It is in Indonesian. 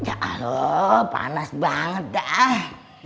ya allah panas banget dah